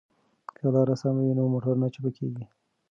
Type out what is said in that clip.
که لار سمه وي نو موټر نه چپه کیږي.